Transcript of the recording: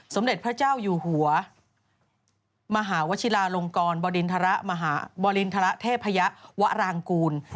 สมเด็จพระเจ้าอยู่หัวมหาวชิลาลงกรบดินทรบริณฑระเทพยะวรางกูล